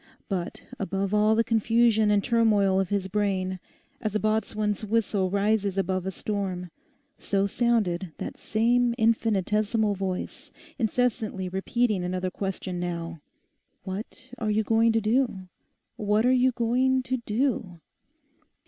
But above all the confusion and turmoil of his brain, as a boatswain's whistle rises above a storm, so sounded that same infinitesimal voice, incessantly repeating another question now, 'What are you going to do? What are you going to do?